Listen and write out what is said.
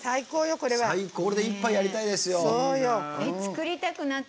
これで一杯やりたいですよ。